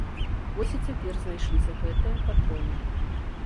Вось і цяпер знайшліся гэтыя патроны.